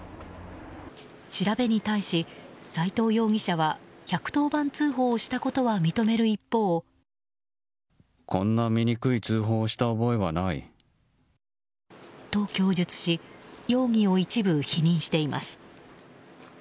調べに対し、斉藤容疑者は１１０番通報をしたことは認める一方。と供述し、容疑を一部否認しています。